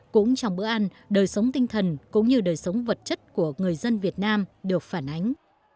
cũng trong bữa ăn đời sống tinh thần cũng như đời sống vật chất của người dân việt nam được phản ánh